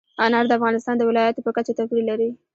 انار د افغانستان د ولایاتو په کچه توپیر لري.